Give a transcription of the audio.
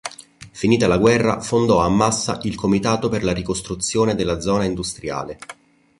Finita la guerra fondò a Massa il comitato per la ricostruzione della Zona Industriale.